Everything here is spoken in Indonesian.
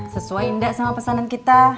sesuai with pesanan kita